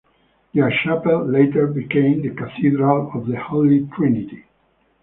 Their chapel later became the Cathedral of the Holy Trinity.